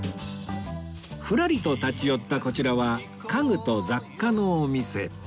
ふらりと立ち寄ったこちらは家具と雑貨のお店